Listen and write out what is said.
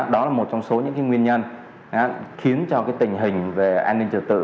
đó là một trong số những cái nguyên nhân khiến cho cái tình hình về an ninh trật tự